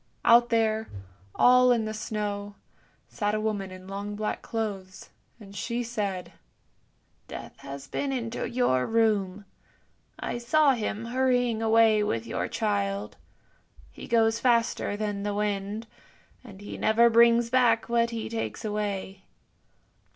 Out there, all in the snow, sat a woman in long black clothes, and she said, " Death has been into your room. I saw him hurrying away with your child; he goes faster than the wind, and he never brings back what he takes away."